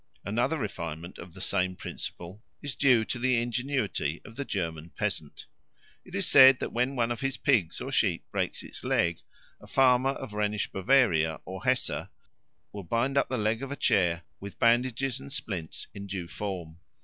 Another refinement of the same principle is due to the ingenuity of the German peasant. It is said that when one of his pigs or sheep breaks its leg, a farmer of Rhenish Bavaria or Hesse will bind up the leg of a chair with bandages and splints in due form.